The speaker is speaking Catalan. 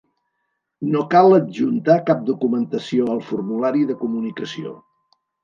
No cal adjuntar cap documentació al formulari de comunicació.